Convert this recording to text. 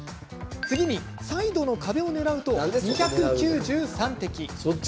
サイドの壁を狙うと２９３滴。